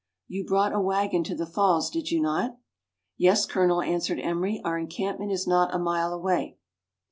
You brought a waggon to the falls, did you not .?"" Yes, Colonel," answered Emery, " our encampment is not a mile away."